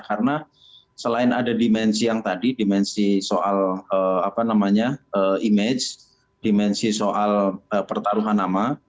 karena selain ada dimensi yang tadi dimensi soal image dimensi soal pertaruhan nama